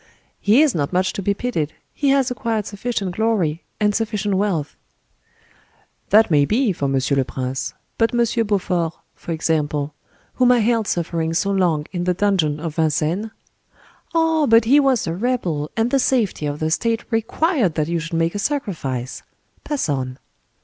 "He is not much to be pitied: he has acquired sufficient glory, and sufficient wealth." "That may be, for Monsieur le Prince; but M. Beaufort, for example—whom I held suffering so long in the dungeon of Vincennes?" "Ah! but he was a rebel, and the safety of the state required that you should make a sacrifice. Pass on!"